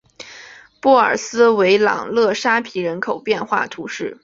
布尔斯弗朗勒沙皮人口变化图示